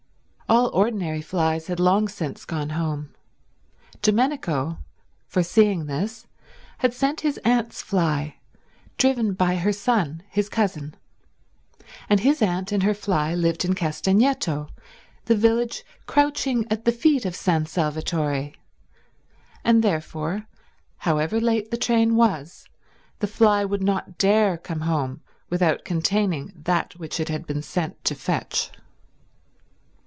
All ordinary flys had long since gone home. Domenico, foreseeing this, had sent his aunt's fly, driven by her son his cousin; and his aunt and her fly lived in Castagneto, the village crouching at the feet of San Salvatore, and therefore, however late the train was, the fly would not dare come home without containing that which it had been sent to fetch.